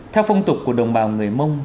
theo phong tục của đồng bào người mông